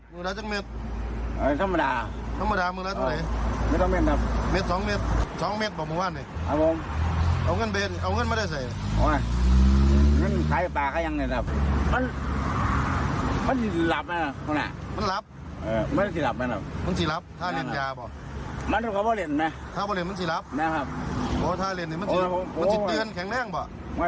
งั้นมันจะเตือนแข็งแรงป่ะ